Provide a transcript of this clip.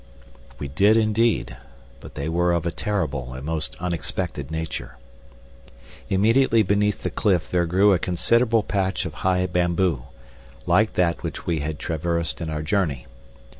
We did indeed, but they were of a terrible and most unexpected nature. Immediately beneath the cliff there grew a considerable patch of high bamboo, like that which we had traversed in our journey.